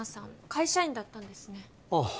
会社員だったんですねああ